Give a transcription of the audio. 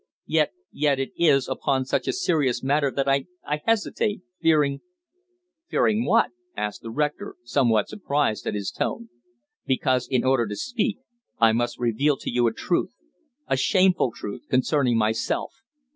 Yet yet it is upon such a serious matter that I hesitate fearing " "Fearing what?" asked the rector, somewhat surprised at his tone. "Because, in order to speak, I must reveal to you a truth a shameful truth concerning myself.